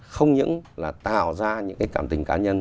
không những là tạo ra những cái cảm tình cá nhân